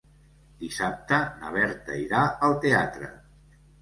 Dissabte na Berta irà al teatre.